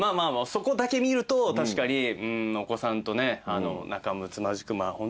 そこだけ見ると確かにお子さんと仲むつまじくホントに温かい。